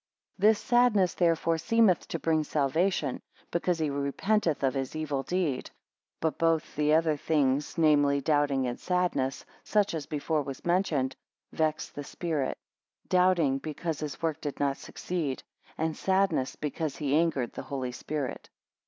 17 This sadness therefore seemeth to bring salvation, because he repenteth of his evil deed. But both the other things, namely, doubting and sadness, such as before was mentioned, vex the spirit: doubting, because his work did not succeed; and sadness, because he angered the Holy Spirit.